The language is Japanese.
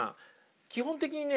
基本的にね